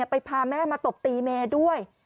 พาแม่มาตบตีเมย์ด้วย